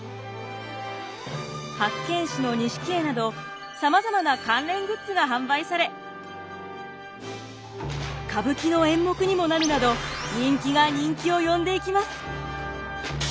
八犬士の錦絵などさまざまな関連グッズが販売され歌舞伎の演目にもなるなど人気が人気を呼んでいきます。